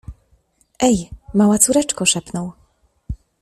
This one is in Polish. — Ej, mała córeczko! — szepnął.